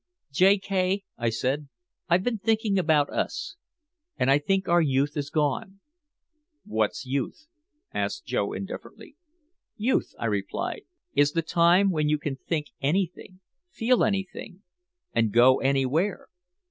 "J. K.," I said, "I've been thinking about us. And I think our youth is gone." "What's youth?" asked Joe indifferently. "Youth," I replied, "is the time when you can think anything, feel anything and go anywhere."